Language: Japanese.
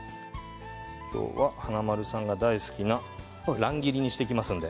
華丸さんの大好きな乱切りにしていきますので。